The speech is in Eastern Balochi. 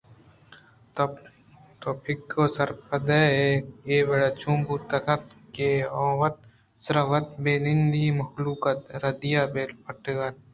توپہک ءَ ناسرپدے ئے؟ اے وڑ چون بوت کنت کہ آ وت سر ءَ وت بہ ننداں مہلو کءِ ردیاں بہ پٹ اَنت